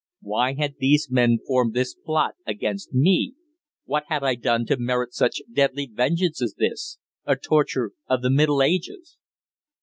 Why had these men formed this plot against me? What had I done to merit such deadly vengeance as this? a torture of the Middle Ages!